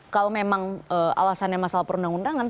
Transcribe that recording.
kalau memang alasannya masalah perundang undangan